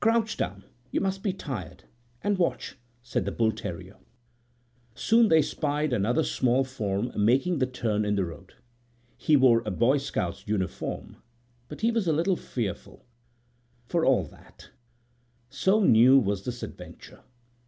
Crouch down,—you must be tired,—and watch," said the bull terrier. < 6 > Soon they spied another small form making the turn in the road. He wore a Boy Scout's uniform, but he was a little fearful, for all that, so new was this adventure.